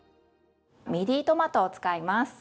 ミディトマトを使います。